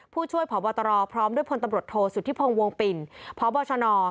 ผู้ช่วยพบตรพร้อมด้วยพลตำรวจโทษสุธิพงศ์วงปิ่นพบชน